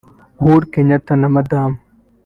Uhuru Kenyatta na Madamu